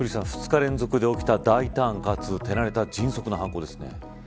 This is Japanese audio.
２日連続で起きた大胆かつ手慣れた迅速な犯行ですね。